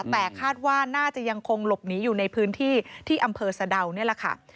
แต่คาดว่าน่าจะยังคงหลบหนีอยู่ในพื้นที่ที่อำเภอสะดาวนี่แหละค่ะ